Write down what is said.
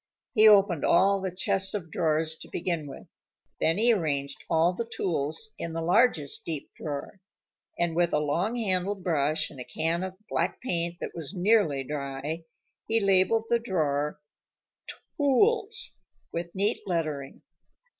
He opened all the chests of drawers to begin with. Then he arranged all the tools in the largest deep drawer, and with a long handled brush and a can of black paint that was nearly dry, he labeled the drawer TOOLS with neat lettering.